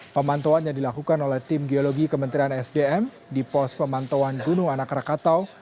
pemantauannya dilakukan oleh tim geologi kementerian sdm di pos pemantauan gunung anak rakata